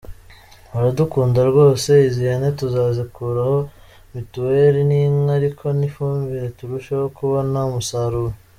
Baradukunda rwose, izi hene tuzazikuraho mituweri n’inka ariko n’ifumbire turusheho kubona umusaruro.